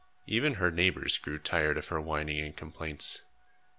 Even her neighbors grew tired of her whining and complaints.